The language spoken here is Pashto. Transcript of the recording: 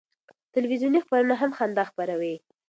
تلویزیوني خپرونه هم خندا خپروي.